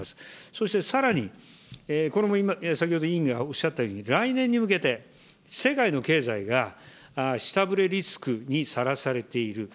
そしてさらに、これも先ほど、委員がおっしゃったように、来年に向けて、世界の経済が下振れリスクにさらされている。